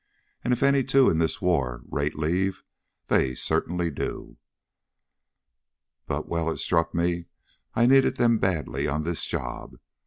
And if any two in this war rate leave, they certainly do. But well, it struck me I needed them badly on this job.